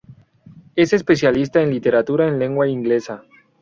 Es especialista en literatura en lengua inglesa.